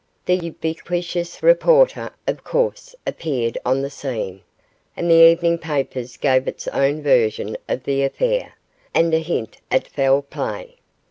The ubiquitous reporter, of course, appeared on the scene, and the evening papers gave its own version of the affair, and a hint at foul play.